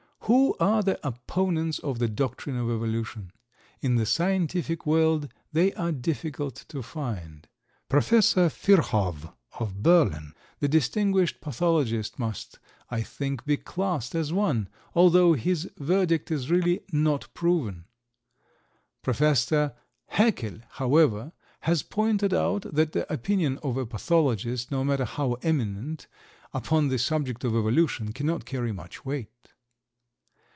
Who are the opponents of the doctrine of Evolution? In the scientific world they are difficult to find. Professor Virchow, of Berlin, the distinguished pathologist must, I think, be classed as one, although his verdict is really "not proven." Professor Haeckel, however, has pointed out that the opinion of a pathologist, no matter how eminent, upon the subject of evolution cannot carry much weight.